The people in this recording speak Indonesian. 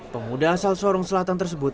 pengguna asal sorong selatan tersenyum